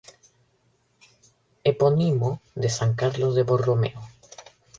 Epónimo de San Carlos de Borromeo.